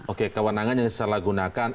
oke kewenangan yang disalahgunakan